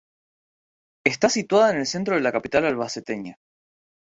Está situada en el Centro de la capital albaceteña.